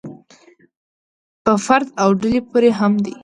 په فرد او ډلې پورې هم دی.